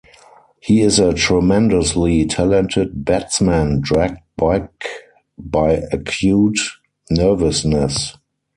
He is a tremendously talented batsman dragged back by acute nervousness.